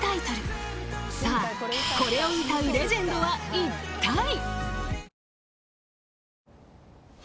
［さあこれを歌うレジェンドはいったい？］